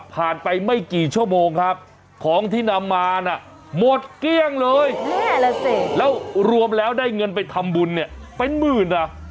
ผ่านไปไม่กี่ชั่วโมงครับของที่นำมาหมดเกลี้ยงเลยแล้วรวมแล้วได้เงินไปทำบุญเป็นหมื่น